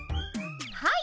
はい。